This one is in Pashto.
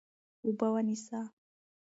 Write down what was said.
اوبه ونیسه.